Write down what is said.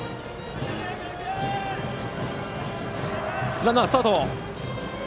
ランナー、スタート！